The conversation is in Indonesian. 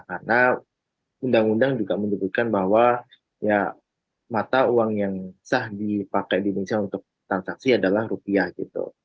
karena undang undang juga menyebutkan bahwa mata uang yang sah dipakai di indonesia untuk transaksi adalah rupiah gitu